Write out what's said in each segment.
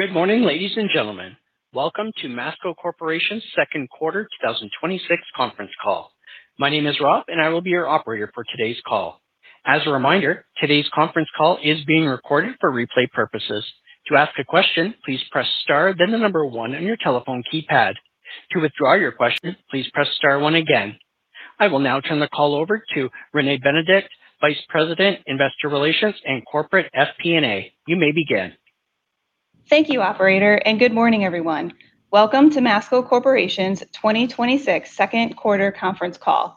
Good morning, ladies and gentlemen. Welcome to Masco Corporation's second quarter 2026 conference call. My name is Rob, and I will be your operator for today's call. As a reminder, today's conference call is being recorded for replay purposes. To ask a question, please press star then the number one on your telephone keypad. To withdraw your question, please press star one again. I will now turn the call over to Renee Benedict, Vice President, Investor Relations and Corporate FP&A. You may begin. Thank you, operator. Good morning, everyone. Welcome to Masco Corporation's 2026 second quarter conference call.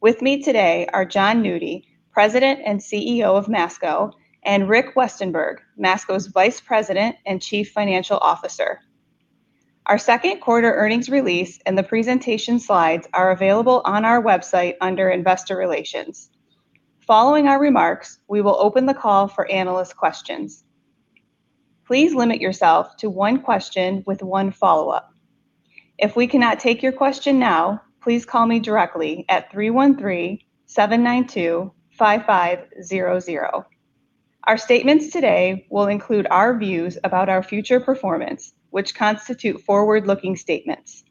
With me today are Jon Nudi, President and CEO of Masco, and Rick Westenberg, Masco's Vice President and Chief Financial Officer. Our second quarter earnings release and the presentation slides are available on our website under Investor Relations. Following our remarks, we will open the call for analyst questions. Please limit yourself to one question with one follow-up. If we cannot take your question now, please call me directly at 313-792-5500. Our statements today will include our views about our future performance, which constitute forward-looking statements.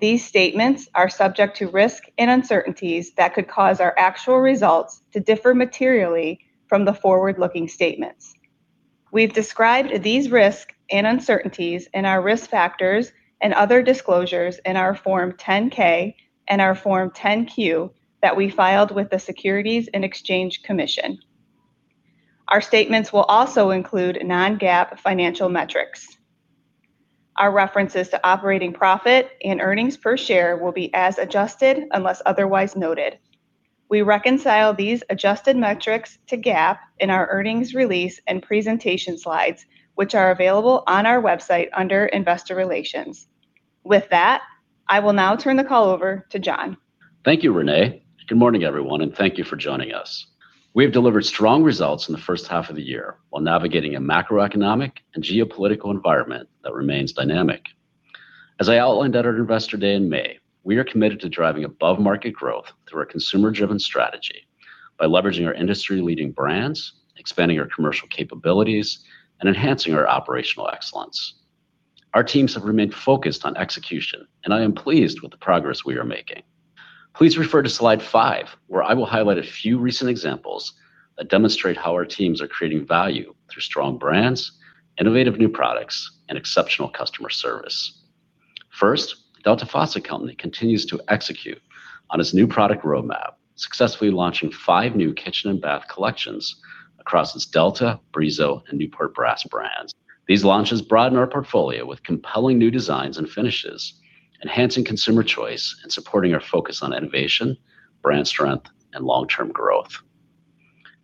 These statements are subject to risks and uncertainties that could cause our actual results to differ materially from the forward-looking statements. We've described these risks and uncertainties in our risk factors and other disclosures in our Form 10-K and our Form 10-Q that we filed with the Securities and Exchange Commission. Our statements will also include non-GAAP financial metrics. Our references to operating profit and earnings per share will be as adjusted unless otherwise noted. We reconcile these adjusted metrics to GAAP in our earnings release and presentation slides, which are available on our website under Investor Relations. With that, I will now turn the call over to Jon. Thank you, Renee. Good morning, everyone. Thank you for joining us. We have delivered strong results in the first half of the year while navigating a macroeconomic and geopolitical environment that remains dynamic. As I outlined at our Investor Day in May, we are committed to driving above-market growth through our consumer-driven strategy by leveraging our industry-leading brands, expanding our commercial capabilities, and enhancing our operational excellence. Our teams have remained focused on execution. I am pleased with the progress we are making. Please refer to slide five, where I will highlight a few recent examples that demonstrate how our teams are creating value through strong brands, innovative new products, and exceptional customer service. First, Delta Faucet Company continues to execute on its new product roadmap, successfully launching five new kitchen and bath collections across its Delta, Brizo, and Newport Brass brands. These launches broaden our portfolio with compelling new designs and finishes, enhancing consumer choice and supporting our focus on innovation, brand strength, and long-term growth.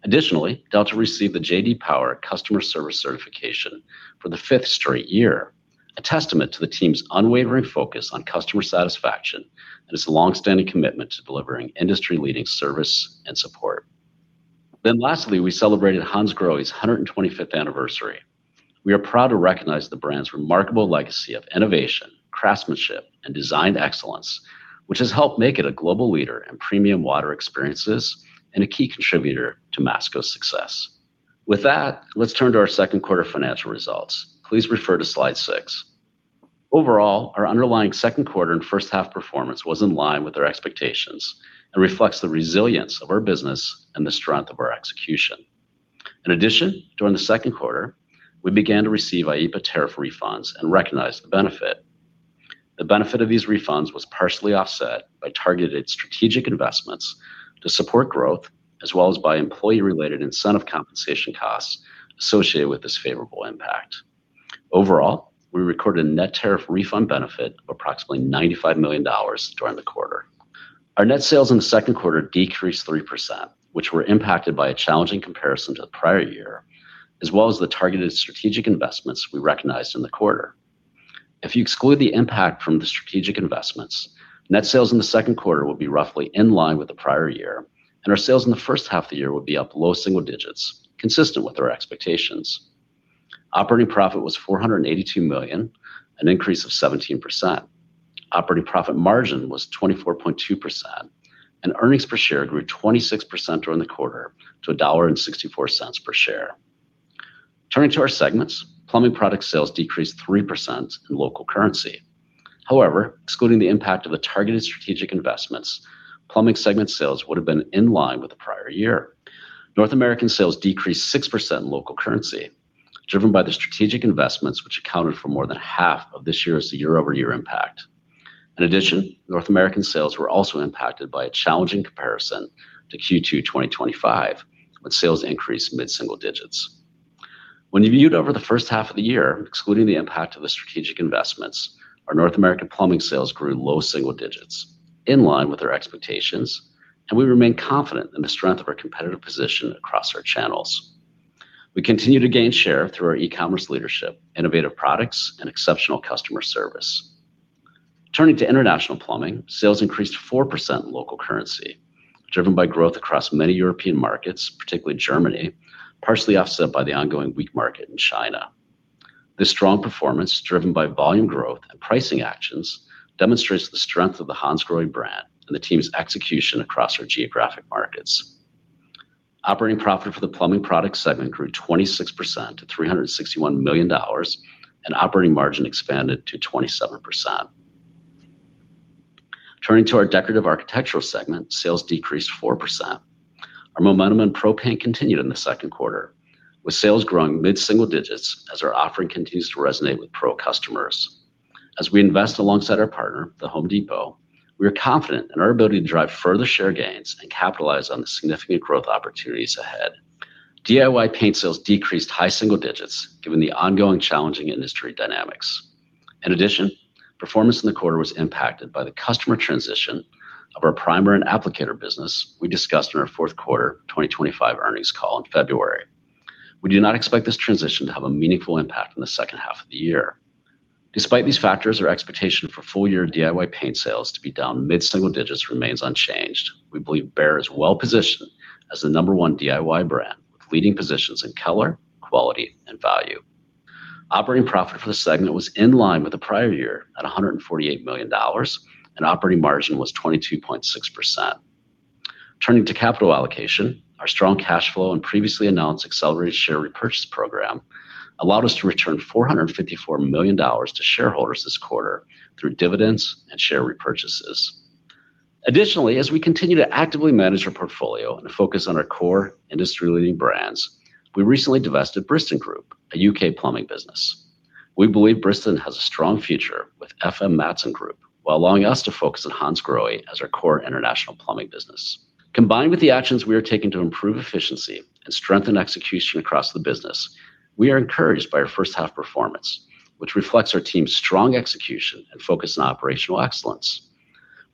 Additionally, Delta received the J.D. Power Customer Service Certification for the fifth straight year, a testament to the team's unwavering focus on customer satisfaction and its longstanding commitment to delivering industry-leading service and support. Lastly, we celebrated Hansgrohe's 125th anniversary. We are proud to recognize the brand's remarkable legacy of innovation, craftsmanship, and design excellence, which has helped make it a global leader in premium water experiences and a key contributor to Masco's success. With that, let's turn to our second quarter financial results. Please refer to slide six. Overall, our underlying second quarter and first half performance was in line with our expectations and reflects the resilience of our business and the strength of our execution. In addition, during the second quarter, we began to receive IEEPA tariff refunds and recognized the benefit. The benefit of these refunds was partially offset by targeted strategic investments to support growth, as well as by employee-related incentive compensation costs associated with this favorable impact. Overall, we recorded a net tariff refund benefit of approximately $95 million during the quarter. Our net sales in the second quarter decreased 3%, which were impacted by a challenging comparison to the prior year, as well as the targeted strategic investments we recognized in the quarter. If you exclude the impact from the strategic investments, net sales in the second quarter will be roughly in line with the prior year, and our sales in the first half of the year will be up low single digits, consistent with our expectations. Operating profit was $482 million, an increase of 17%. Operating profit margin was 24.2%, and earnings per share grew 26% during the quarter to $1.64 per share. Turning to our segments, plumbing product sales decreased 3% in local currency. However, excluding the impact of the targeted strategic investments, plumbing segment sales would have been in line with the prior year. North American sales decreased 6% in local currency, driven by the strategic investments which accounted for more than half of this year's year-over-year impact. In addition, North American sales were also impacted by a challenging comparison to Q2 2025, when sales increased mid-single digits. When viewed over the first half of the year, excluding the impact of the strategic investments, our North American plumbing sales grew low single digits, in line with our expectations, and we remain confident in the strength of our competitive position across our channels. We continue to gain share through our e-commerce leadership, innovative products, and exceptional customer service. Turning to international plumbing, sales increased 4% in local currency, driven by growth across many European markets, particularly Germany, partially offset by the ongoing weak market in China. This strong performance, driven by volume growth and pricing actions, demonstrates the strength of the Hansgrohe brand and the team's execution across our geographic markets. Operating profit for the plumbing products segment grew 26% to $361 million, and operating margin expanded to 27%. Turning to our Decorative Architectural segment, sales decreased 4%. Our momentum in pro paint continued in the second quarter, with sales growing mid-single digits as our offering continues to resonate with pro customers. As we invest alongside our partner, The Home Depot, we are confident in our ability to drive further share gains and capitalize on the significant growth opportunities ahead. DIY paint sales decreased high single digits given the ongoing challenging industry dynamics. In addition, performance in the quarter was impacted by the customer transition of our primer and applicator business we discussed in our fourth quarter 2025 earnings call in February. We do not expect this transition to have a meaningful impact in the second half of the year. Despite these factors, our expectation for full-year DIY paint sales to be down mid-single digits remains unchanged. We believe Behr is well-positioned as the number one DIY brand, with leading positions in color, quality, and value. Operating profit for the segment was in line with the prior year at $148 million, and operating margin was 22.6%. Turning to capital allocation, our strong cash flow and previously announced accelerated share repurchase program allowed us to return $454 million to shareholders this quarter through dividends and share repurchases. As we continue to actively manage our portfolio and focus on our core industry-leading brands, we recently divested Bristan Group, a U.K. plumbing business. We believe Bristan has a strong future with FM Mattsson Group, while allowing us to focus on Hansgrohe as our core international plumbing business. Combined with the actions we are taking to improve efficiency and strengthen execution across the business, we are encouraged by our first half performance, which reflects our team's strong execution and focus on operational excellence.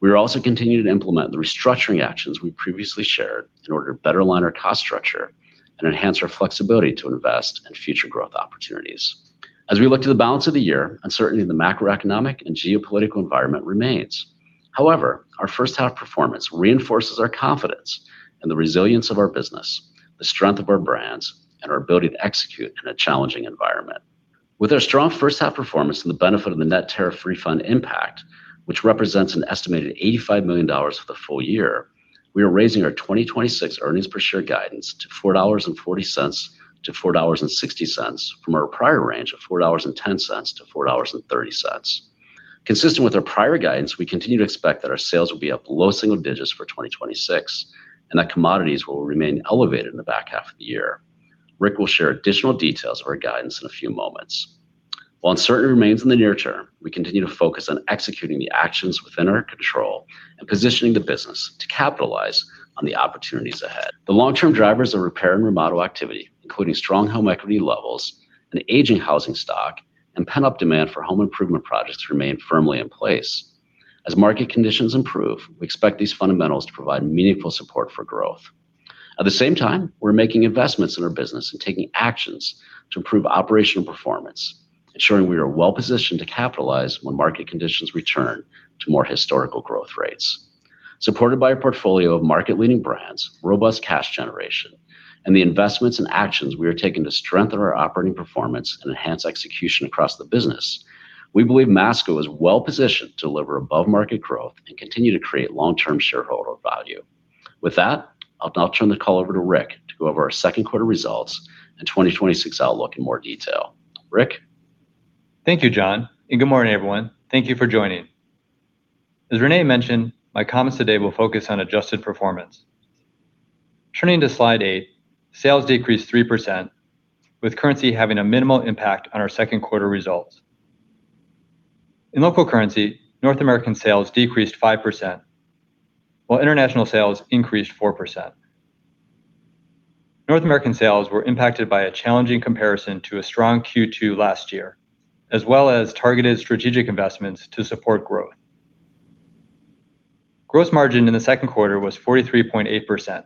We are also continuing to implement the restructuring actions we previously shared in order to better align our cost structure and enhance our flexibility to invest in future growth opportunities. As we look to the balance of the year, uncertainty in the macroeconomic and geopolitical environment remains. Our first half performance reinforces our confidence in the resilience of our business, the strength of our brands, and our ability to execute in a challenging environment. With our strong first half performance and the benefit of the net tariff refund impact, which represents an estimated $85 million for the full year, we are raising our 2026 earnings per share guidance to $4.40-$4.60 from our prior range of $4.10-$4.30. Consistent with our prior guidance, we continue to expect that our sales will be up low single digits for 2026, and that commodities will remain elevated in the back half of the year. Rick will share additional details of our guidance in a few moments. While uncertainty remains in the near term, we continue to focus on executing the actions within our control and positioning the business to capitalize on the opportunities ahead. The long-term drivers of repair and remodel activity, including strong home equity levels, an aging housing stock, and pent-up demand for home improvement projects, remain firmly in place. As market conditions improve, we expect these fundamentals to provide meaningful support for growth. At the same time, we're making investments in our business and taking actions to improve operational performance, ensuring we are well positioned to capitalize when market conditions return to more historical growth rates. Supported by a portfolio of market-leading brands, robust cash generation, and the investments and actions we are taking to strengthen our operating performance and enhance execution across the business, we believe Masco is well positioned to deliver above-market growth and continue to create long-term shareholder value. With that, I'll now turn the call over to Rick to go over our second quarter results and 2026 outlook in more detail. Rick? Thank you, Jon, and good morning, everyone. Thank you for joining. As Renee mentioned, my comments today will focus on adjusted performance. Turning to slide eight, sales decreased 3%, with currency having a minimal impact on our second quarter results. In local currency, North American sales decreased 5%, while international sales increased 4%. North American sales were impacted by a challenging comparison to a strong Q2 last year, as well as targeted strategic investments to support growth. Gross margin in the second quarter was 43.8%.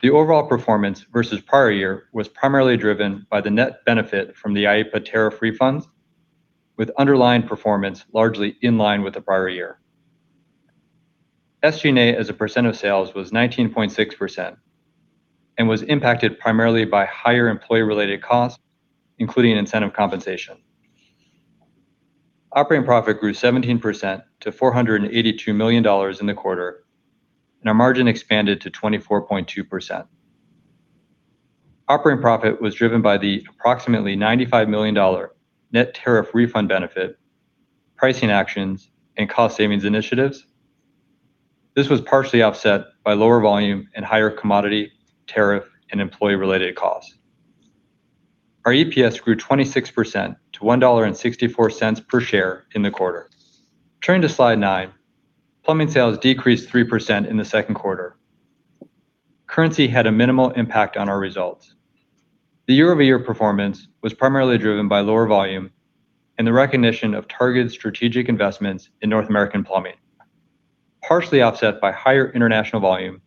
The overall performance versus prior year was primarily driven by the net benefit from the IEEPA tariff refunds, with underlying performance largely in line with the prior year. SG&A as a percent of sales was 19.6% and was impacted primarily by higher employee-related costs, including incentive compensation. Operating profit grew 17% to $482 million in the quarter, and our margin expanded to 24.2%. Operating profit was driven by the approximately $95 million net tariff refund benefit, pricing actions, and cost savings initiatives. This was partially offset by lower volume and higher commodity, tariff, and employee-related costs. Our EPS grew 26% to $1.64 per share in the quarter. Turning to slide nine, plumbing sales decreased 3% in the second quarter. Currency had a minimal impact on our results. The year-over-year performance was primarily driven by lower volume and the recognition of targeted strategic investments in North American plumbing, partially offset by higher international volume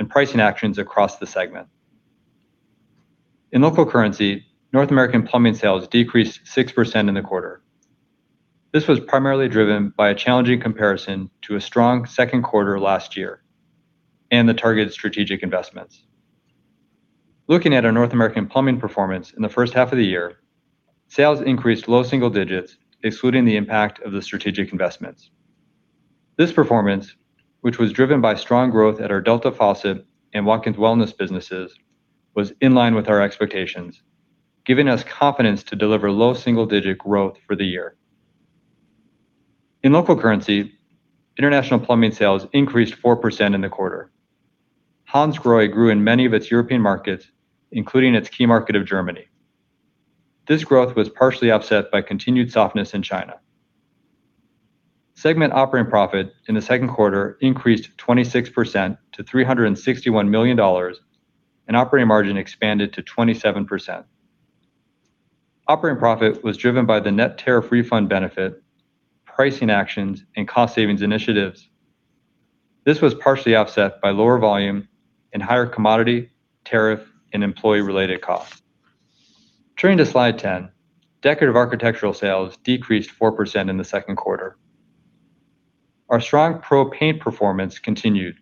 and pricing actions across the segment. In local currency, North American plumbing sales decreased 6% in the quarter. This was primarily driven by a challenging comparison to a strong second quarter last year and the targeted strategic investments. Looking at our North American plumbing performance in the first half of the year, sales increased low single digits, excluding the impact of the strategic investments. This performance, which was driven by strong growth at our Delta Faucet and Watkins Wellness businesses, was in line with our expectations, giving us confidence to deliver low single-digit growth for the year. In local currency, international plumbing sales increased 4% in the quarter. Hansgrohe grew in many of its European markets, including its key market of Germany. This growth was partially offset by continued softness in China. Segment operating profit in the second quarter increased 26% to $361 million and operating margin expanded to 27%. Operating profit was driven by the net tariff refund benefit, pricing actions, and cost savings initiatives. This was partially offset by lower volume and higher commodity tariff and employee-related costs. Turning to slide 10, Decorative Architectural sales decreased 4% in the second quarter. Our strong pro paint performance continued,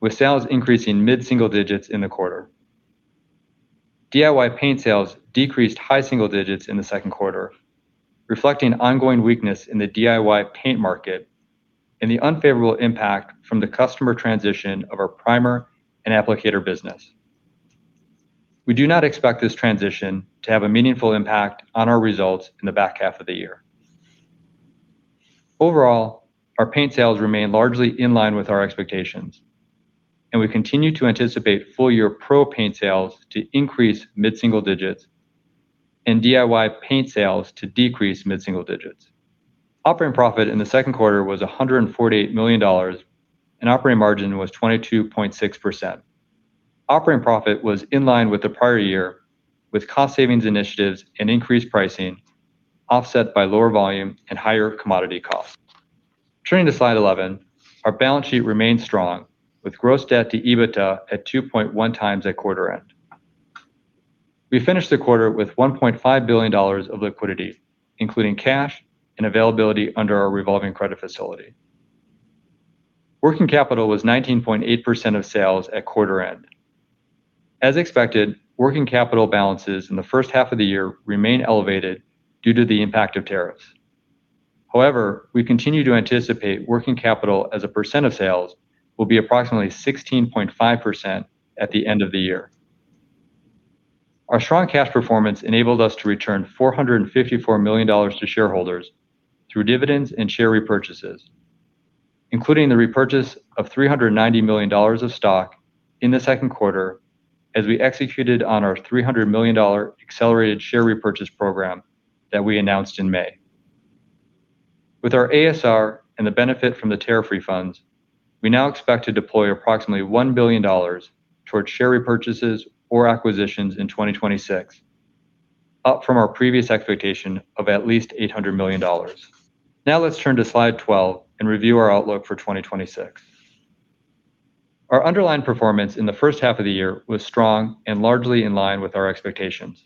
with sales increasing mid-single digits in the quarter. DIY paint sales decreased high single digits in the second quarter, reflecting ongoing weakness in the DIY paint market and the unfavorable impact from the customer transition of our primer and applicator business. We do not expect this transition to have a meaningful impact on our results in the back half of the year. Overall, our paint sales remain largely in line with our expectations, and we continue to anticipate full-year pro paint sales to increase mid-single digits and DIY paint sales to decrease mid-single digits. Operating profit in the second quarter was $148 million and operating margin was 22.6%. Operating profit was in line with the prior year with cost savings initiatives and increased pricing offset by lower volume and higher commodity costs. Turning to slide 11, our balance sheet remains strong with gross debt to EBITDA at 2.1x at quarter end. We finished the quarter with $1.5 billion of liquidity, including cash and availability under our revolving credit facility. Working capital was 19.8% of sales at quarter end. As expected, working capital balances in the first half of the year remain elevated due to the impact of tariffs. However, we continue to anticipate working capital as a percent of sales will be approximately 16.5% at the end of the year. Our strong cash performance enabled us to return $454 million to shareholders through dividends and share repurchases, including the repurchase of $390 million of stock in the second quarter as we executed on our $300 million accelerated share repurchase program that we announced in May. With our ASR and the benefit from the tariff refunds, we now expect to deploy approximately $1 billion towards share repurchases or acquisitions in 2026, up from our previous expectation of at least $800 million. Now let's turn to slide 12 and review our outlook for 2026. Our underlying performance in the first half of the year was strong and largely in line with our expectations.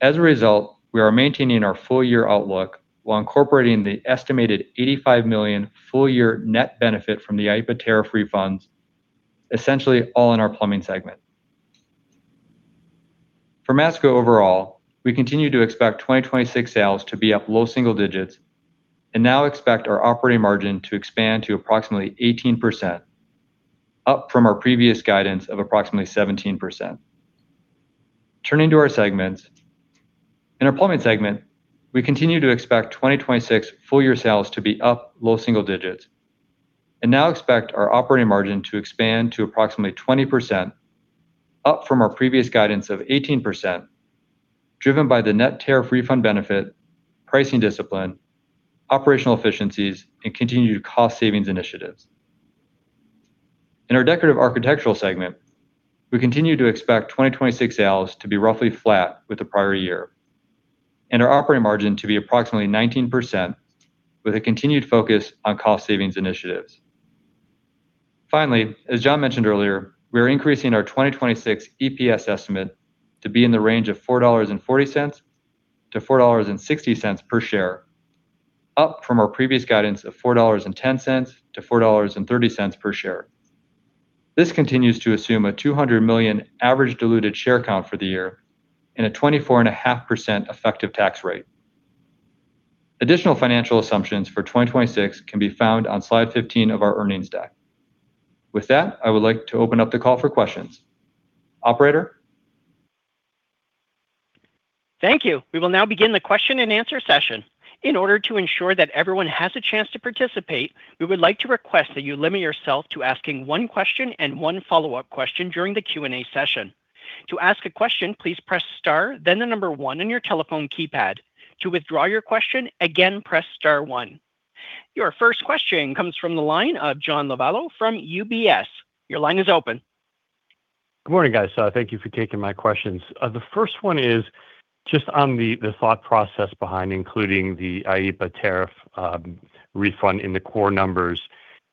As a result, we are maintaining our full-year outlook while incorporating the estimated $85 million full-year net benefit from the IEEPA tariff refunds, essentially all in our Plumbing segment. For Masco overall, we continue to expect 2026 sales to be up low single digits and now expect our operating margin to expand to approximately 18%, up from our previous guidance of approximately 17%. Turning to our segments. In our Plumbing segment, we continue to expect 2026 full year sales to be up low single digits and now expect our operating margin to expand to approximately 20%, up from our previous guidance of 18%, driven by the net tariff refund benefit, pricing discipline, operational efficiencies, and continued cost savings initiatives. In our Decorative Architectural segment, we continue to expect 2026 sales to be roughly flat with the prior year and our operating margin to be approximately 19% with a continued focus on cost savings initiatives. Finally, as Jon mentioned earlier, we are increasing our 2026 EPS estimate to be in the range of $4.40-$4.60 per share, up from our previous guidance of $4.10-$4.30 per share. This continues to assume a 200 million average diluted share count for the year and a 24.5% effective tax rate. Additional financial assumptions for 2026 can be found on slide 15 of our earnings deck. With that, I would like to open up the call for questions. Operator? Thank you. We will now begin the question-and-answer session. In order to ensure that everyone has a chance to participate, we would like to request that you limit yourself to asking one question and one follow-up question during the Q&A session. To ask a question, please press star, then number one on your telephone keypad. To withdraw your question, again, press star one. Your first question comes from the line of John Lovallo from UBS. Your line is open. Good morning, guys. Thank you for taking my questions. The first one is just on the thought process behind including the IEEPA tariff refund in the core numbers,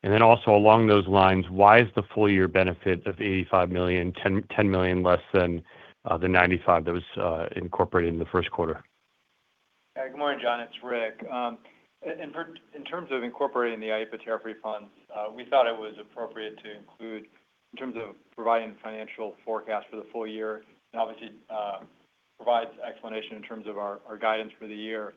along those lines, why is the full year benefit of $85 million, $10 million less than the $95 million that was incorporated in the first quarter? Good morning, John. It's Rick. In terms of incorporating the IEEPA tariff refunds, we thought it was appropriate to include in terms of providing financial forecast for the full year and obviously provides explanation in terms of our guidance for the year.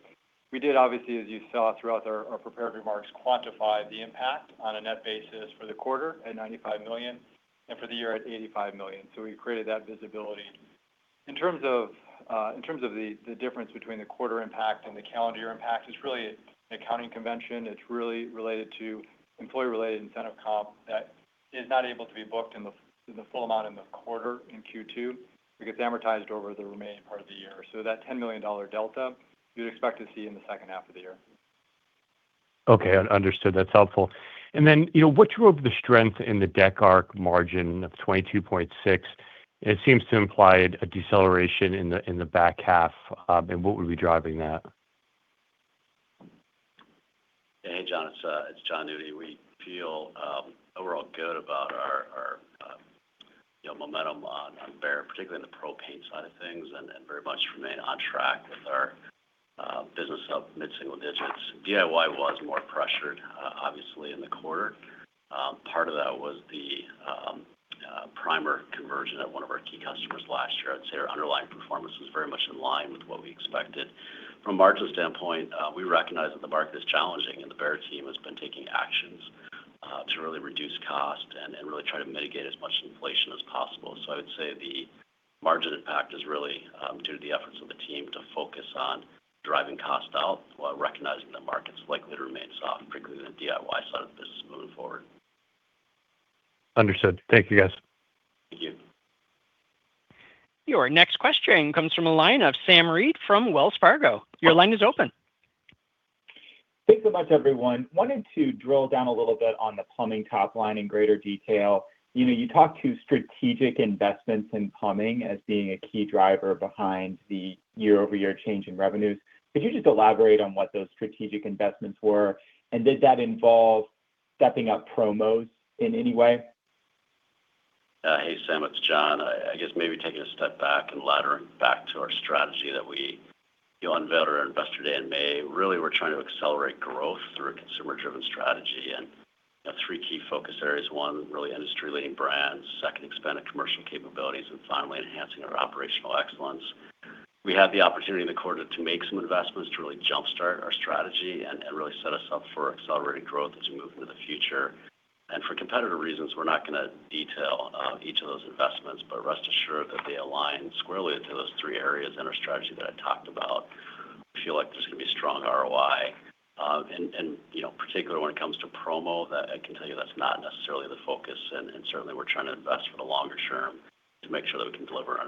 We did, as you saw throughout our prepared remarks, quantify the impact on a net basis for the quarter at $95 million and for the year at $85 million. We created that visibility. In terms of the difference between the quarter impact and the calendar year impact, it's really an accounting convention. It's really related to employee-related incentive comp that is not able to be booked in the full amount in the quarter in Q2. It gets amortized over the remaining part of the year. That $10 million delta, you'd expect to see in the second half of the year. Okay, understood. That's helpful. What drove the strength in the Dec Arch margin of 22.6%? It seems to imply a deceleration in the back half. What would be driving that? Hey, John, it's Jon Nudi. We feel overall good about our momentum on Behr, particularly on the pro paint side of things, and very much remain on track with our business up mid-single digits. DIY was more pressured, obviously, in the quarter. Part of that was the primer conversion at one of our key customers last year. I'd say our underlying performance was very much in line with what we expected. From a margin standpoint, we recognize that the market is challenging, and the Behr team has been taking actions to really reduce cost and really try to mitigate as much inflation as possible. I would say the margin impact is really due to the efforts of the team to focus on driving cost out while recognizing the market's likely to remain soft, particularly in the DIY side of the business moving forward. Understood. Thank you, guys. Thank you. Your next question comes from the line of Sam Reid from Wells Fargo. Your line is open. Thanks so much, everyone. Wanted to drill down a little bit on the plumbing top line in greater detail. You talked to strategic investments in plumbing as being a key driver behind the year-over-year change in revenues. Could you just elaborate on what those strategic investments were, and did that involve stepping up promos in any way? Hey, Sam, it's Jon. I guess maybe taking a step back and laddering back to our strategy that we unveiled at our Investor Day in May, really, we're trying to accelerate growth through a consumer-driven strategy and three key focus areas. One, really industry-leading brands, second, expanded commercial capabilities, and finally, enhancing our operational excellence. We had the opportunity in the quarter to make some investments to really jumpstart our strategy and really set us up for accelerated growth as we move into the future. For competitive reasons, we're not going to detail each of those investments, but rest assured that they align squarely to those three areas in our strategy that I talked about. We feel like there's going to be strong ROI. Particularly when it comes to promo, I can tell you that's not necessarily the focus. Certainly, we're trying to invest for the longer term to make sure that we can deliver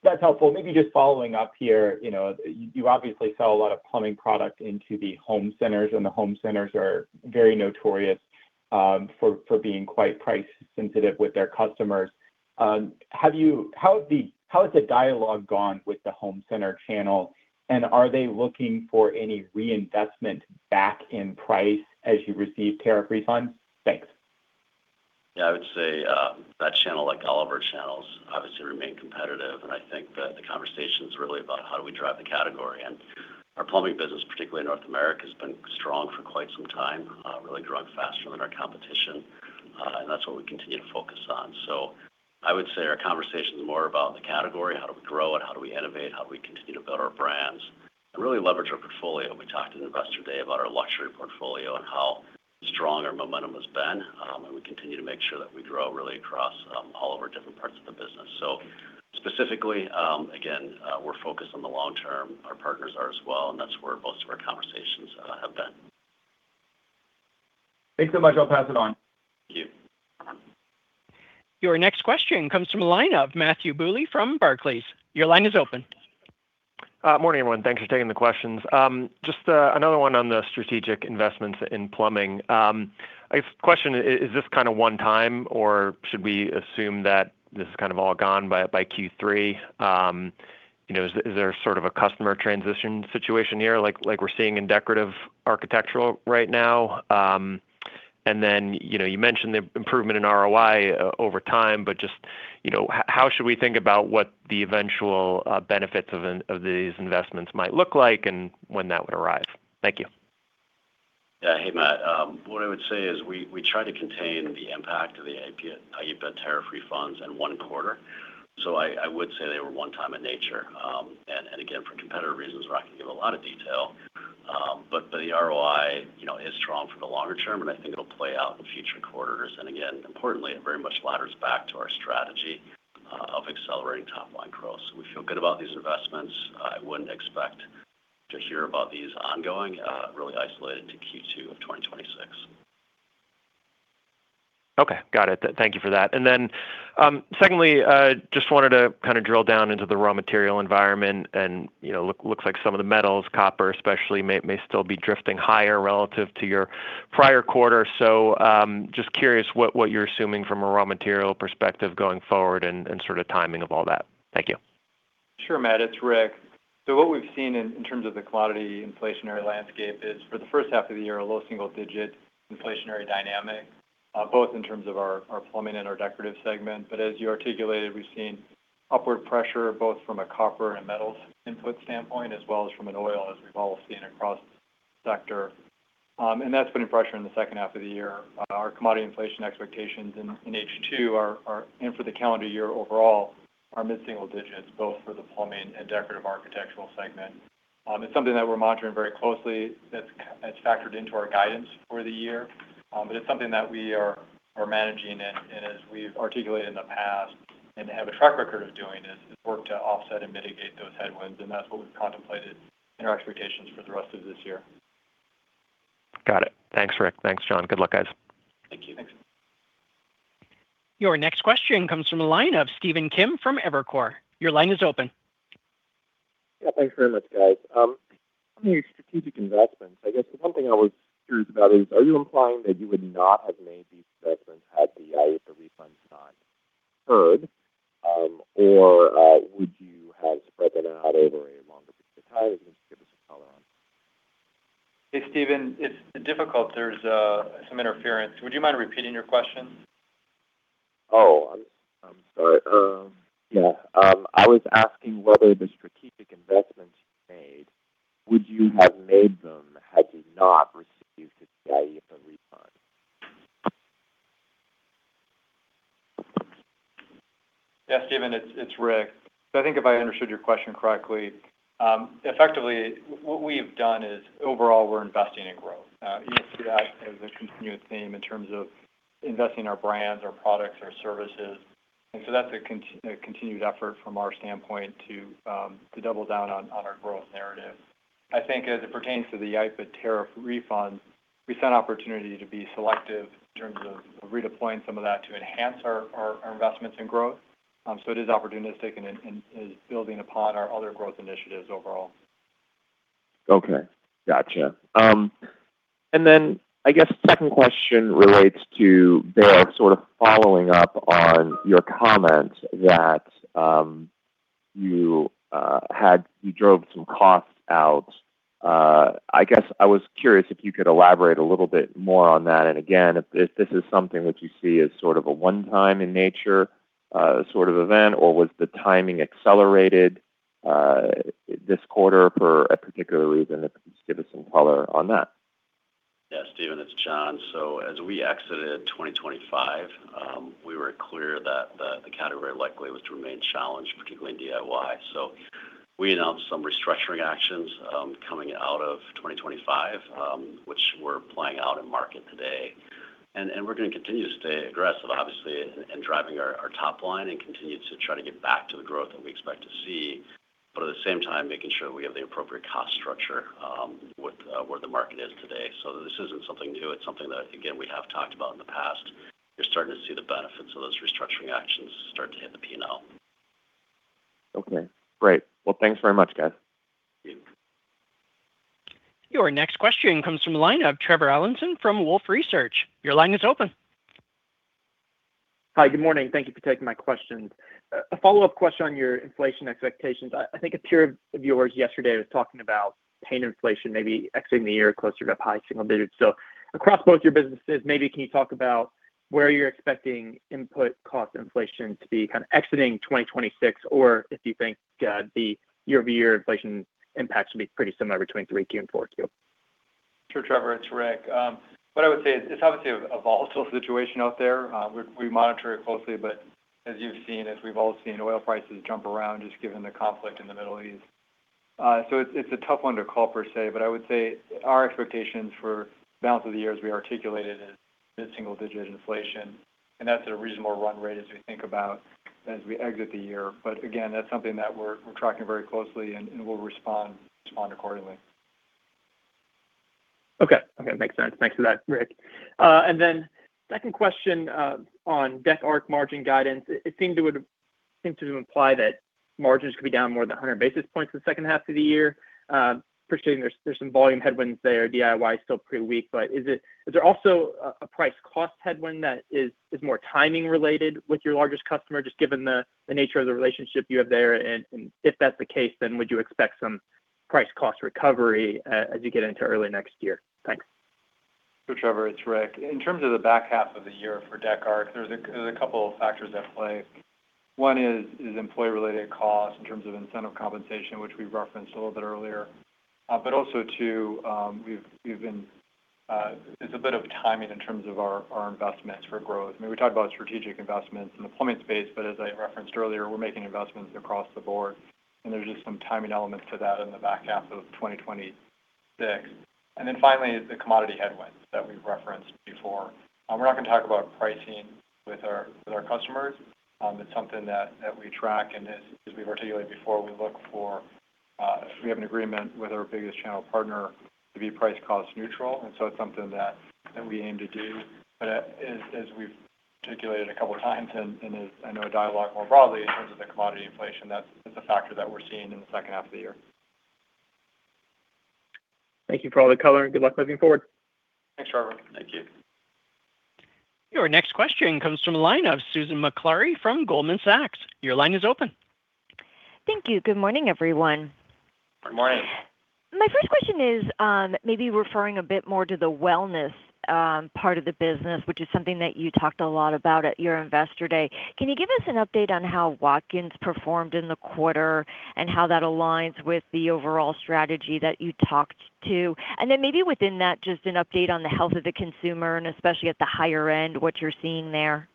on our strategy. That's helpful. Maybe just following up here, you obviously sell a lot of plumbing product into the home centers, and the home centers are very notorious for being quite price sensitive with their customers. How has the dialogue gone with the home center channel, and are they looking for any reinvestment back in price as you receive tariff refunds? Thanks. I would say that channel, like all of our channels, obviously remain competitive, and I think that the conversation's really about how do we drive the category. Our plumbing business, particularly in North America, has been strong for quite some time, really growing faster than our competition. That's what we continue to focus on. I would say our conversation is more about the category, how do we grow it, how do we innovate, how do we continue to build our brands, and really leverage our portfolio. We talked to the investor today about our luxury portfolio and how strong our momentum has been. We continue to make sure that we grow really across all of our different parts of the business. Specifically, again, we're focused on the long term. Our partners are as well, and that's where most of our conversations have been. Thanks so much. I'll pass it on. Thank you. Your next question comes from a line of Matthew Bouley from Barclays. Your line is open. Morning, everyone. Thanks for taking the questions. Just another one on the strategic investments in plumbing. I guess the question, is this one time, or should we assume that this is all gone by Q3? Is there a customer transition situation here like we're seeing in Decorative Architectural right now? You mentioned the improvement in ROI over time, but just how should we think about what the eventual benefits of these investments might look like and when that would arrive? Thank you. Yeah. Hey, Matt. What I would say is we try to contain the impact of the IEEPA tariff refunds in one quarter. I would say they were one-time in nature. For competitive reasons where I can give a lot of detail. The ROI is strong for the longer term, and I think it'll play out in future quarters. Importantly, it very much ladders back to our strategy of accelerating top-line growth. We feel good about these investments. I wouldn't expect to hear about these ongoing, really isolated to Q2 of 2026. Okay, got it. Thank you for that. Secondly, just wanted to drill down into the raw material environment, and looks like some of the metals, copper especially, may still be drifting higher relative to your prior quarter. Just curious what you're assuming from a raw material perspective going forward and sort of timing of all that? Thank you. Sure, Matt. It's Rick What we've seen in terms of the commodity inflationary landscape is for the first half of the year, a low single-digit inflationary dynamic, both in terms of our Plumbing and our Decorative segment. As you articulated, we've seen upward pressure both from a copper and metals input standpoint, as well as from an oil, as we've all seen across the sector. That's putting pressure in the second half of the year. Our commodity inflation expectations in H2 and for the calendar year overall are mid-single digits, both for the Plumbing and Decorative Architectural segment. It's something that we're monitoring very closely, that's factored into our guidance for the year. It's something that we are managing, and as we've articulated in the past and have a track record of doing is work to offset and mitigate those headwinds. That's what we've contemplated in our expectations for the rest of this year. Got it. Thanks, Rick. Thanks, Jon. Good luck, guys. Thank you. Thanks. Your next question comes from the line of Stephen Kim from Evercore. Your line is open. Yeah, thanks very much, guys. On your strategic investments, I guess the one thing I was curious about is, are you implying that you would not have made these investments had the IEEPA refund not occurred? Or would you have spread that out over a longer period of time? If you can just give us some color on that. Hey, Stephen, it's difficult. There's some interference. Would you mind repeating your question? I'm sorry. Yeah. I was asking whether the strategic investments you made, would you have made them had you not received the IEEPA refund? Yeah, Stephen, it's Rick. I think if I understood your question correctly, effectively what we have done is overall we're investing in growth. You can see that as a continuous theme in terms of investing in our brands, our products, our services. That's a continued effort from our standpoint to double down on our growth narrative. I think as it pertains to the IEEPA tariff refund, we saw an opportunity to be selective in terms of redeploying some of that to enhance our investments in growth. It is opportunistic and is building upon our other growth initiatives overall. Okay. Gotcha. I guess second question relates to, sort of following up on your comment that you drove some costs out. I guess I was curious if you could elaborate a little bit more on that, and again, if this is something that you see as sort of a one-time in nature sort of event, or was the timing accelerated this quarter for a particular reason, if you could just give us some color on that? Yeah, Stephen, it's Jon. As we exited 2025, we were clear that the category likely was to remain challenged, particularly in DIY. We announced some restructuring actions coming out of 2025, which we're playing out in market today. We're going to continue to stay aggressive, obviously, in driving our top line and continue to try to get back to the growth that we expect to see. At the same time, making sure we have the appropriate cost structure with where the market is today. This isn't something new. It's something that, again, we have talked about in the past. You're starting to see the benefits of those restructuring actions start to hit the P&L. Okay, great. Well, thanks very much, guys. Thank you. Your next question comes from the line of Trevor Allinson from Wolfe Research. Your line is open. Hi, good morning. Thank you for taking my questions. A follow-up question on your inflation expectations. I think a peer of yours yesterday was talking about paying inflation maybe exiting the year closer to high single digits. Across both your businesses, maybe can you talk about where you're expecting input cost inflation to be kind of exiting 2026, or if you think the year-over-year inflation impact should be pretty similar between 3Q and 4Q? Sure, Trevor, it's Rick. What I would say is it's obviously a volatile situation out there. We monitor it closely, but as you've seen, as we've all seen, oil prices jump around just given the conflict in the Middle East. It's a tough one to call per se, but I would say our expectations for the balance of the year, as we articulated, is mid-single digit inflation, and that's a reasonable run rate as we think about as we exit the year. Again, that's something that we're tracking very closely and we'll respond accordingly. Okay. Makes sense. Thanks for that, Rick. Second question on Dec Arch margin guidance. It seems to imply that margins could be down more than 100 basis points the second half of the year. Appreciating there's some volume headwinds there. DIY is still pretty weak. Is there also a price cost headwind that is more timing related with your largest customer, just given the nature of the relationship you have there? If that's the case, would you expect some price cost recovery as you get into early next year? Thanks. Sure, Trevor, it's Rick. In terms of the back half of the year for Dec Arch, there's a couple of factors at play. One is employee-related costs in terms of incentive compensation, which we referenced a little bit earlier. Also two, it's a bit of timing in terms of our investments for growth. We talk about strategic investments in the plumbing space, but as I referenced earlier, we're making investments across the board, and there's just some timing elements to that in the back half of 2026. Finally, the commodity headwinds that we've referenced before. We're not going to talk about pricing with our customers. It's something that we track and as we've articulated before, we have an agreement with our biggest channel partner to be price cost neutral, and so it's something that we aim to do. As we've articulated a couple of times, and as I know a dialogue more broadly in terms of the commodity inflation, that is a factor that we're seeing in the second half of the year. Thank you for all the color, and good luck moving forward. Thanks, Trevor. Thank you. Your next question comes from the line of Susan Maklari from Goldman Sachs. Your line is open. Thank you. Good morning, everyone. Good morning. My first question is maybe referring a bit more to the wellness part of the business, which is something that you talked a lot about at your Investor Day. Can you give us an update on how Watkins performed in the quarter, and how that aligns with the overall strategy that you talked to? Then maybe within that, just an update on the health of the consumer, and especially at the higher end, what you're seeing there?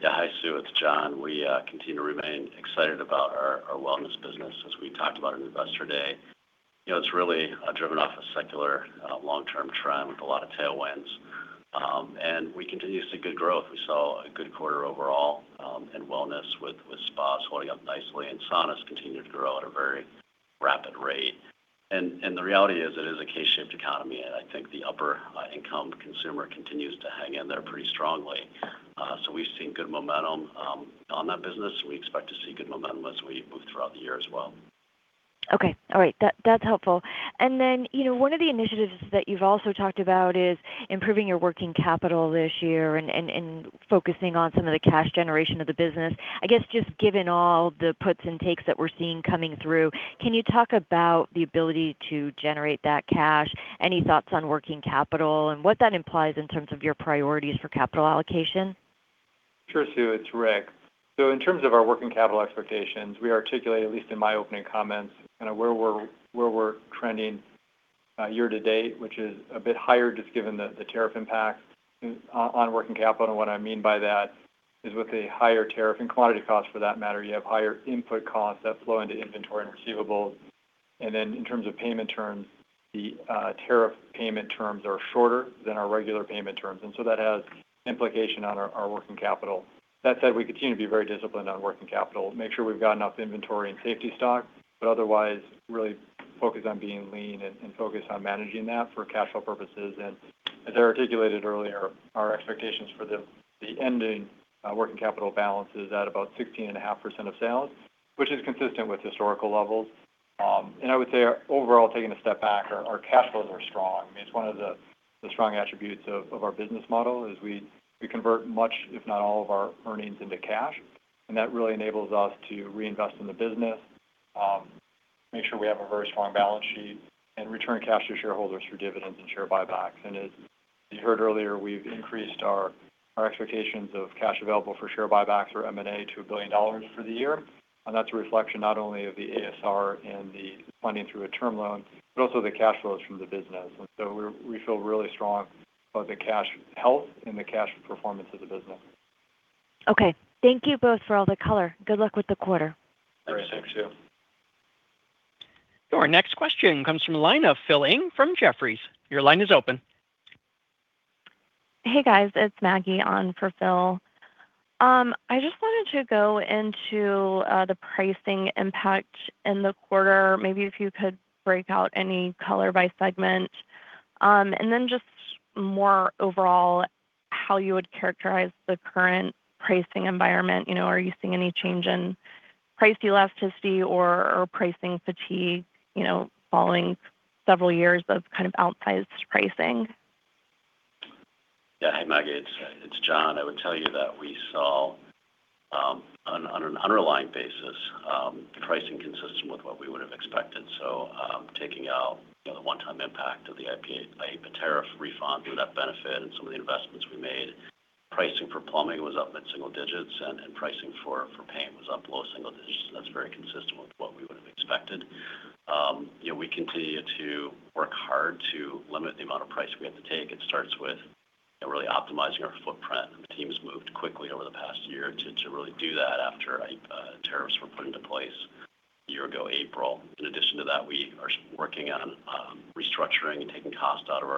Yeah. Hi, Sue. It's Jon. We continue to remain excited about our wellness business. As we talked about at Investor Day, it's really driven off a secular, long-term trend with a lot of tailwinds. We continue to see good growth. We saw a good quarter overall in wellness with spas holding up nicely, and saunas continue to grow at a very rapid rate. The reality is, it is a K-shaped economy, and I think the upper-income consumer continues to hang in there pretty strongly. We've seen good momentum on that business. We expect to see good momentum as we move throughout the year as well. Okay. All right. That's helpful. Then, one of the initiatives that you've also talked about is improving your working capital this year and focusing on some of the cash generation of the business. I guess, just given all the puts and takes that we're seeing coming through, can you talk about the ability to generate that cash? Any thoughts on working capital and what that implies in terms of your priorities for capital allocation? Sure, Sue, it's Rick. In terms of our working capital expectations, we articulated, at least in my opening comments, where we're trending year-to-date, which is a bit higher just given the tariff impact on working capital. What I mean by that is with a higher tariff, and quantity cost for that matter, you have higher input costs that flow into inventory and receivables. In terms of payment terms, the tariff payment terms are shorter than our regular payment terms. That has implication on our working capital. That said, we continue to be very disciplined on working capital, make sure we've got enough inventory and safety stock, but otherwise, really focused on being lean and focused on managing that for cash flow purposes. As I articulated earlier, our expectations for the ending working capital balance is at about 16.5% of sales, which is consistent with historical levels. I would say overall, taking a step back, our cash flows are strong. It's one of the strong attributes of our business model is we convert much, if not all, of our earnings into cash, and that really enables us to reinvest in the business, make sure we have a very strong balance sheet, and return cash to shareholders through dividends and share buybacks. As you heard earlier, we've increased our expectations of cash available for share buybacks or M&A to $1 billion for the year. That's a reflection not only of the ASR and the funding through a term loan, but also the cash flows from the business. We feel really strong about the cash health and the cash performance of the business. Okay. Thank you both for all the color. Good luck with the quarter. All right. Thanks, Sue. Thanks. Your next question comes from the line of Phil Ng from Jefferies. Your line is open. Hey, guys. It's Maggie on for Phil. I just wanted to go into the pricing impact in the quarter, maybe if you could break out any color by segment. Then just more overall, how you would characterize the current pricing environment. Are you seeing any change in price elasticity or pricing fatigue, following several years of kind of outsized pricing? Yeah. Hey, Maggie. It's Jon. I would tell you that we saw, on an underlying basis, pricing consistent with what we would have expected. Taking out the one-time impact of the IEEPA tariff refund through that benefit and some of the investments we made, pricing for plumbing was up mid-single digits, and pricing for paint was up low single digits. That's very consistent with what we would have expected. We continue to work hard to limit the amount of price we have to take. It starts with really optimizing our footprint, and the team has moved quickly over the past year to really do that after IEEPA tariffs were put into place a year ago April. In addition to that, we are working on restructuring and taking cost out of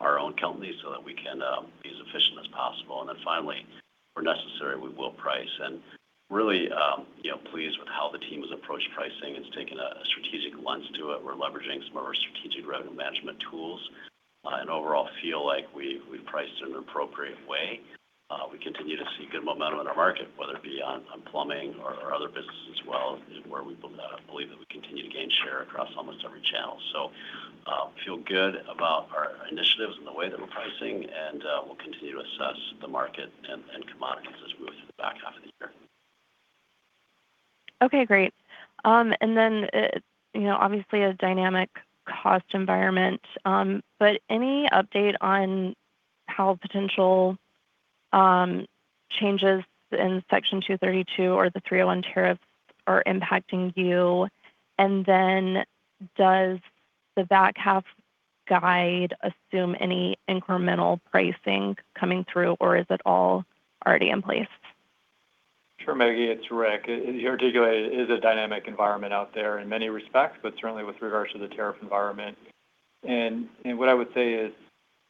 our own company so that we can be as efficient as possible. Finally, where necessary, we will price. Really pleased with how the team has approached pricing. It's taken a strategic lens to it. We're leveraging some of our strategic revenue management tools, and overall, feel like we've priced in an appropriate way. We continue to see good momentum in our market, whether it be on plumbing or other businesses as well, where we believe that we continue to gain share across almost every channel. Feel good about our initiatives and the way that we're pricing, and we'll continue to assess the market and commodities as we move through the back half of the year. Okay, great. Obviously, a dynamic cost environment. Any update on how potential changes in Section 232 or the Section 301 tariffs are impacting you? Does the back half guide assume any incremental pricing coming through, or is it all already in place? Sure, Maggie, it's Rick. As you articulated, it is a dynamic environment out there in many respects, but certainly with regards to the tariff environment. What I would say is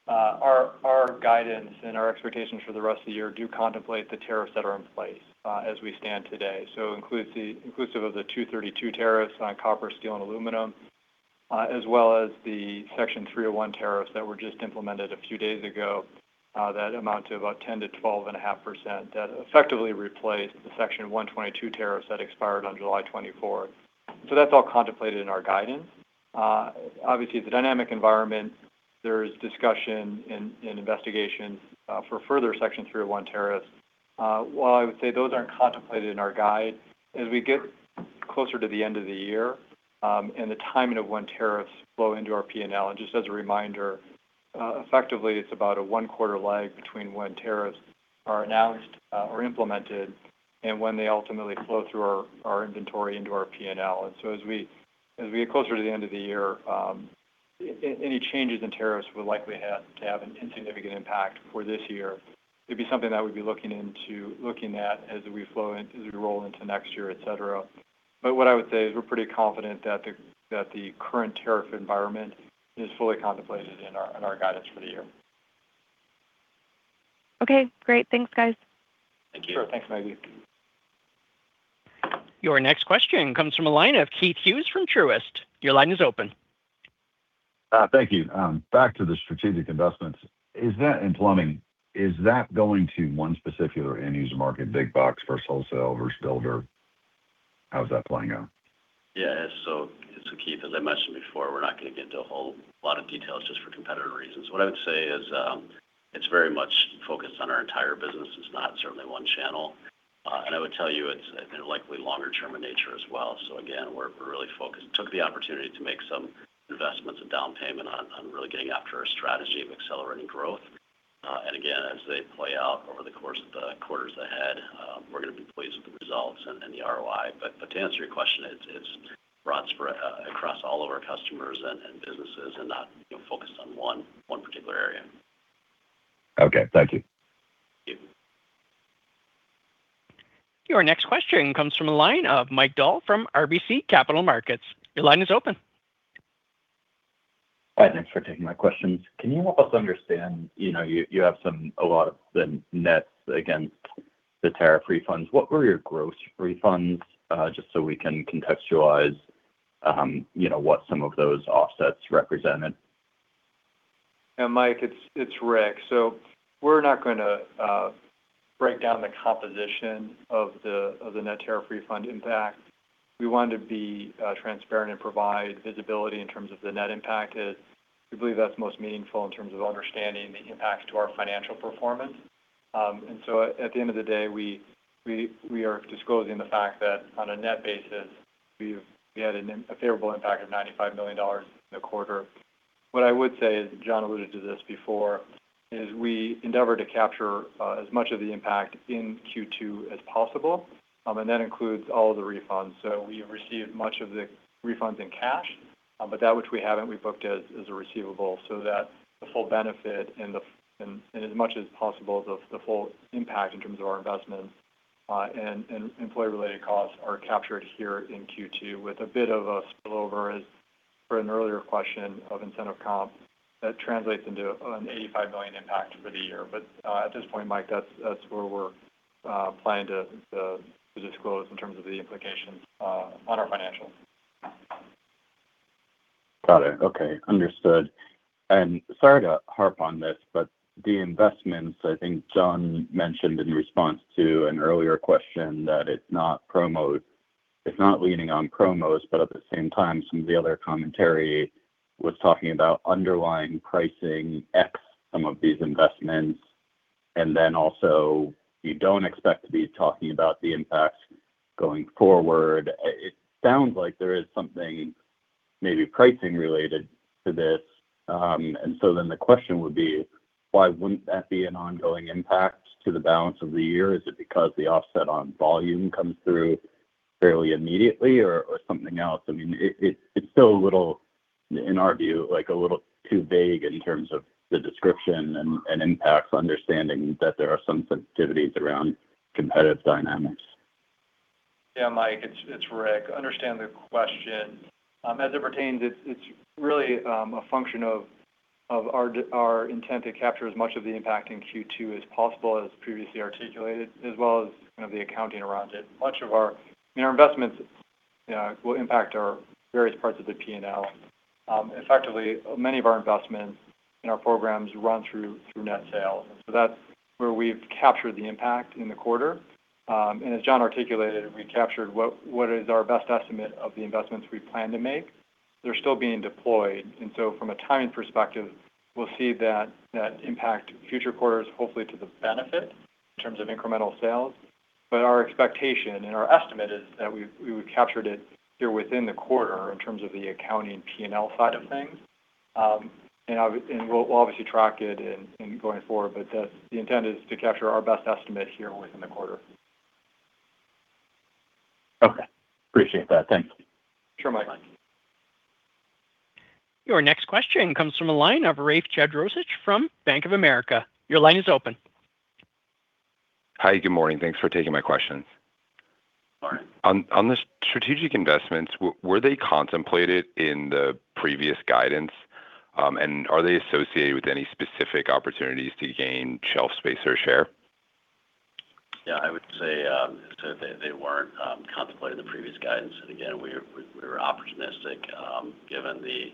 our guidance and our expectations for the rest of the year do contemplate the tariffs that are in place as we stand today. Inclusive of the Section 232 tariffs on copper, steel, and aluminum, as well as the Section 301 tariffs that were just implemented a few days ago. That amount to about 10%-12.5% that effectively replaced the Section 232 tariffs that expired on July 24th. That's all contemplated in our guidance. Obviously, it's a dynamic environment. There's discussion and investigation for further Section 301 tariffs. While I would say those aren't contemplated in our guide, as we get closer to the end of the year and the timing of when tariffs flow into our P&L. Just as a reminder, effectively, it's about a one-quarter lag between when tariffs are announced or implemented and when they ultimately flow through our inventory into our P&L. As we get closer to the end of the year, any changes in tariffs would likely have an insignificant impact for this year. It'd be something that we'd be looking at as we roll into next year, et cetera. What I would say is we're pretty confident that the current tariff environment is fully contemplated in our guidance for the year. Okay, great. Thanks, guys. Thank you. Sure thing, Maggie. Your next question comes from the line of Keith Hughes from Truist. Your line is open. Thank you. Back to the strategic investments and plumbing. Is that going to one specific end-user market, big box versus wholesale versus builder? How's that playing out? Keith, as I mentioned before, we're not going to get into a whole lot of details just for competitive reasons. What I would say is it's very much focused on our entire business. It's not certainly one channel. I would tell you it's likely longer term in nature as well. Again, we took the opportunity to make some investments, a down payment on really getting after a strategy of accelerating growth. Again, as they play out over the course of the quarters ahead, we're going to be pleased with the results and the ROI. To answer your question, it's broad spread across all of our customers and businesses and not focused on one particular area. Okay. Thank you. Thank you. Your next question comes from the line of Mike Dahl from RBC Capital Markets. Your line is open. Hi, thanks for taking my questions. Can you help us understand, you have a lot of the nets against the tariff refunds. What were your gross refunds? Just so we can contextualize what some of those offsets represented? Mike, it's Rick. We're not going to break down the composition of the net tariff refund impact. We wanted to be transparent and provide visibility in terms of the net impact, as we believe that's most meaningful in terms of understanding the impact to our financial performance. At the end of the day, we are disclosing the fact that on a net basis, we had a favorable impact of $95 million in the quarter. What I would say is, Jon alluded to this before, is we endeavor to capture as much of the impact in Q2 as possible. That includes all of the refunds. We received much of the refunds in cash. That which we haven't, we've booked as a receivable so that the full benefit and as much as possible, the full impact in terms of our investments and employee related costs are captured here in Q2 with a bit of a spillover, as per an earlier question of incentive comp, that translates into an $85 million impact for the year. At this point, Mike, that's where we're planning to disclose in terms of the implications on our financials. Got it. Okay. Understood. Sorry to harp on this, the investments, I think Jon mentioned in response to an earlier question that it's not leaning on promos, at the same time, some of the other commentary was talking about underlying pricing x some of these investments, also you don't expect to be talking about the impacts going forward. It sounds like there is something maybe pricing related to this. The question would be why wouldn't that be an ongoing impact to the balance of the year? Is it because the offset on volume comes through fairly immediately or something else? It's still, in our view, a little too vague in terms of the description and impact, understanding that there are some sensitivities around competitive dynamics. Yeah, Mike, it's Rick. Understand the question. As it pertains, it's really a function of our intent to capture as much of the impact in Q2 as possible as previously articulated, as well as the accounting around it. Much of our investments will impact our various parts of the P&L. Effectively, many of our investments in our programs run through net sales, that's where we've captured the impact in the quarter. As Jon articulated, we captured what is our best estimate of the investments we plan to make. They're still being deployed, from a timing perspective, we'll see that impact future quarters, hopefully to the benefit in terms of incremental sales. Our expectation and our estimate is that we captured it here within the quarter in terms of the accounting P&L side of things. We'll obviously track it going forward, the intent is to capture our best estimate here within the quarter. Okay. Appreciate that. Thanks. Sure, Mike. Your next question comes from a line of Rafe Jadrosich from Bank of America. Your line is open. Hi, good morning. Thanks for taking my questions. Morning. On the strategic investments, were they contemplated in the previous guidance, and are they associated with any specific opportunities to gain shelf space or share? Again, I would say they weren't contemplated in the previous guidance. Again, we were opportunistic given the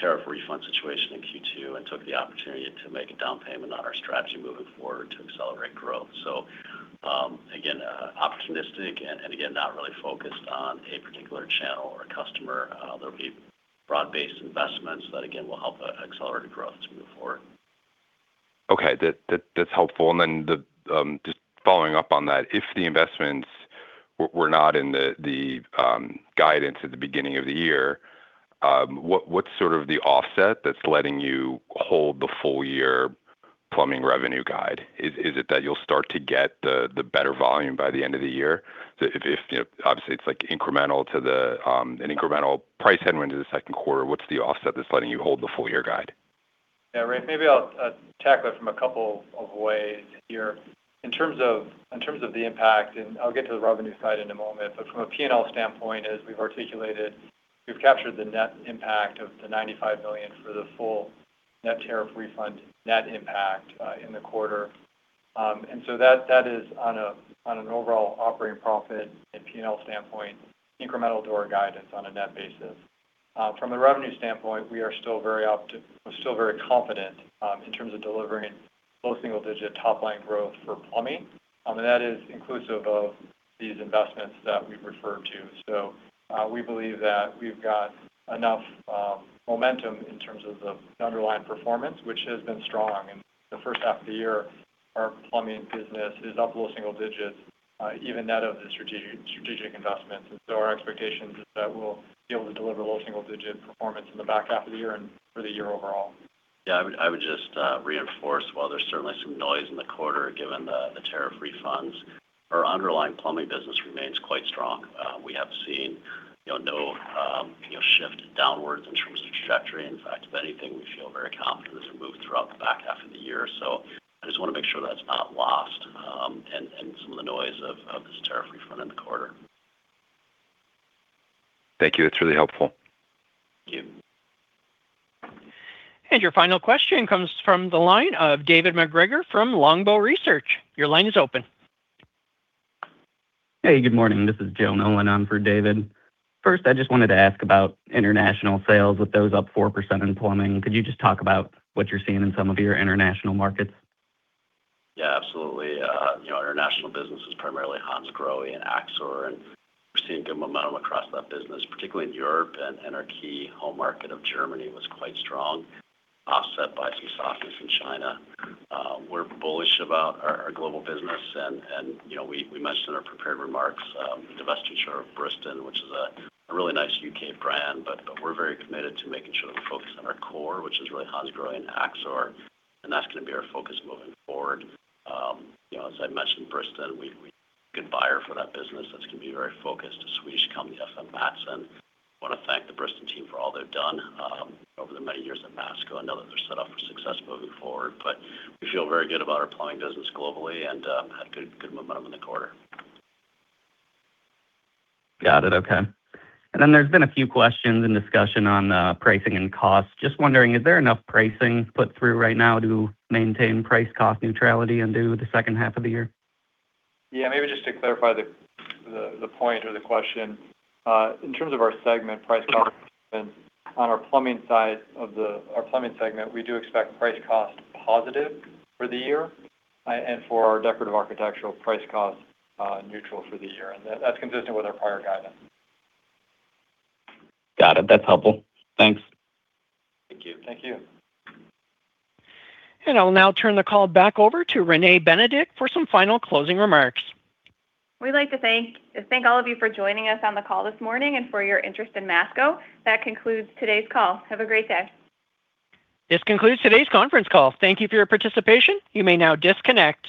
tariff refund situation in Q2, and took the opportunity to make a down payment on our strategy moving forward to accelerate growth. Again, opportunistic and again, not really focused on a particular channel or customer. There'll be broad-based investments that, again, will help accelerate growth as we move forward. Okay. That's helpful. Then just following up on that, if the investments were not in the guidance at the beginning of the year, what's sort of the offset that's letting you hold the full year plumbing revenue guide? Is it that you'll start to get the better volume by the end of the year? Obviously, it's an incremental price headwind into the second quarter. What's the offset that's letting you hold the full year guide? Yeah, Rafe, maybe I'll tackle it from a couple of ways here. In terms of the impact, I'll get to the revenue side in a moment, but from a P&L standpoint, as we've articulated, we've captured the net impact of the $95 million for the full net tariff refund net impact in the quarter. That is on an overall operating profit and P&L standpoint, incremental to our guidance on a net basis. From a revenue standpoint, we are still very confident in terms of delivering low single digit top line growth for plumbing, and that is inclusive of these investments that we've referred to. We believe that we've got enough momentum in terms of the underlying performance, which has been strong in the first half of the year. Our plumbing business is up low single digits, even net of the strategic investments. Our expectation is that we'll be able to deliver low single digit performance in the back half of the year, and for the year overall. Yeah, I would just reinforce, while there's certainly some noise in the quarter, given the tariff refunds, our underlying plumbing business remains quite strong. We have seen no shift downwards in terms of trajectory. In fact, if anything, we feel very confident as we move throughout the back half of the year. I just want to make sure that's not lost in some of the noise of this tariff refund in the quarter. Thank you. That's really helpful. Thank you. Your final question comes from the line of David MacGregor from Longbow Research. Your line is open. Hey, good morning. This is Joe Nolan on for David. First, I just wanted to ask about international sales. With those up 4% in plumbing, could you just talk about what you're seeing in some of your international markets? Absolutely. Our international business is primarily Hansgrohe and Axor, and we're seeing good momentum across that business, particularly in Europe. Our key home market of Germany was quite strong, offset by some softness in China. We're bullish about our global business. We mentioned in our prepared remarks the divestiture of Bristan, which is a really nice U.K. brand. We're very committed to making sure that we focus on our core, which is really Hansgrohe and Axor. That's going to be our focus moving forward. As I mentioned, Bristan, we had a good buyer for that business that's going to be very focused, a Swedish company, FM Mattsson. Want to thank the Bristan team for all they've done over their many years at Masco and know that they're set up for success moving forward. We feel very good about our plumbing business globally and had good momentum in the quarter. Got it. Okay. There's been a few questions and discussion on pricing and costs. Just wondering, is there enough pricing put through right now to maintain price cost neutrality into the second half of the year? Yeah, maybe just to clarify the point or the question. In terms of our segment price cost, on our Plumbing segment, we do expect price cost positive for the year, and for our Decorative Architectural price cost neutral for the year. That's consistent with our prior guidance. Got it. That's helpful. Thanks. Thank you. Thank you. I'll now turn the call back over to Renee Benedict for some final closing remarks. We'd like to thank all of you for joining us on the call this morning, and for your interest in Masco. That concludes today's call. Have a great day. This concludes today's conference call. Thank you for your participation. You may now disconnect.